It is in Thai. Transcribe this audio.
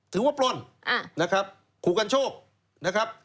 ถือว่าปล่นนะครับคุกกันโชคนะครับ